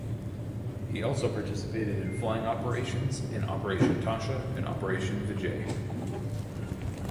He also participated in flying operations in Operation Tasha and Operation Vijay.